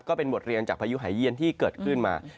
ก็เป็นบทเรียนจากพายุหายเยี่ยนที่เกิดขึ้นมา